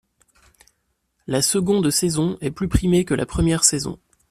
La seconde saison est plus primée que la première saison.